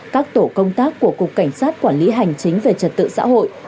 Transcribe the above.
các tổ công tác của cục cảnh sát quản lý hành chính về trật tự xã hội